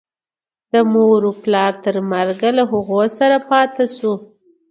د مور و پلار تر مرګه له هغو سره پاتې شو.